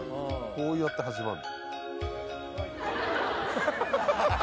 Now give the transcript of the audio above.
こうやって始まる。